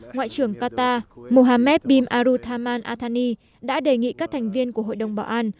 ngoại trưởng qatar mohamed bim aruthaman athani đã đề nghị các thành viên của hội đồng bảo an